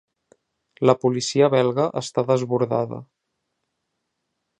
La policia belga està desbordada.